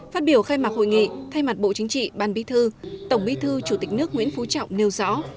phát biểu khai mạc hội nghị thay mặt bộ chính trị ban bí thư tổng bí thư chủ tịch nước nguyễn phú trọng nêu rõ